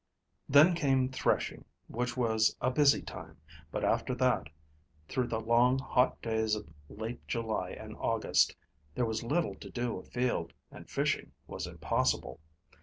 Then came threshing, which was a busy time, but after that, through the long hot days of late July and August, there was little to do afield, and fishing was impossible.